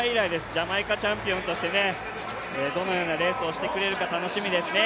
ジャマイカチャンピオンとしてどのようなレースをしてくれるか楽しみですね。